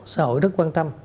xã hội rất quan tâm